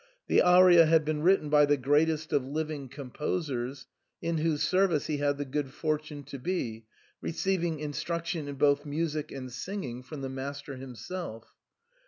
The aria had been written by the greatest of living composers, in whose service he had the good fortune to be, re ceiving instruction in both music and singing from the master himself.